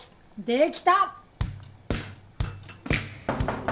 できた！